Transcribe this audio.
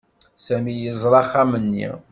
Sami yeẓra axxam-nni.